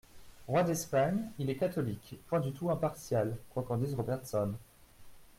Roi d'Espagne, il est catholique, point du tout impartial (quoi qu'en dise Robertson).